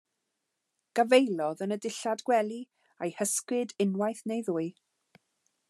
Gafaelodd yn y dillad gwely a'u hysgwyd unwaith neu ddwy.